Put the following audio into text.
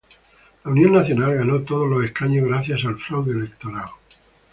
La Union Nacional ganó todos los escaños gracias al fraude electoral.